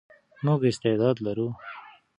موږ استعداد لرو.